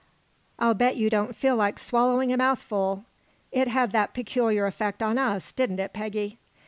I'll bet you don't feel like swallowing a mouthful. It had that peculiar effect on us, didn't it, Peggy?"